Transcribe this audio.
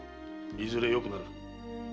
いずれよくなる。